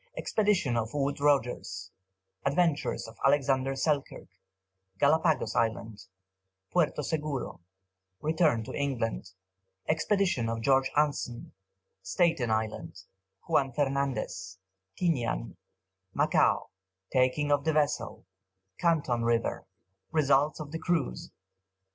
Expedition of Wood Rogers Adventures of Alexander Selkirk Galapagos Island Puerto Seguro Return to England Expedition of George Anson Staten Island Juan Fernandez Tinian Macao Taking of the vessel Canton river Results of the Cruise.